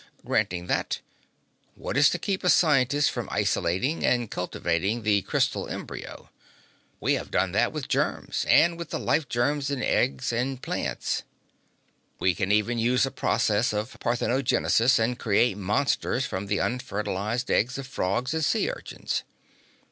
Granting that, what is to keep a scientist from isolating and cultivating the crystal embryo? We have done that with germs, and with the life germs in eggs and plants. We can even use a process of parthenogenesis and create monsters from the unfertilized eggs of frogs and sea urchins.